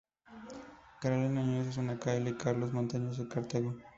Carolina Núñez es de Cali y Carlos Montaño es de Cartago.